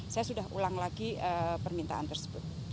saya sudah ulang lagi permintaan tersebut